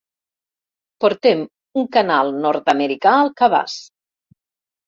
Portem un canal nord-americà al cabàs.